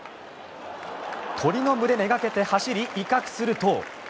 鳥の群れめがけて走り威嚇すると。